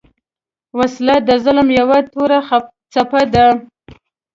وسله د ظلم یو توره څپه ده